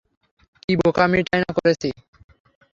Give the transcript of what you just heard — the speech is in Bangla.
কী বোকামিটাই না করেছি!